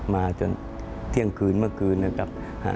มาจนเที่ยงคืนเมื่อคืนนะครับ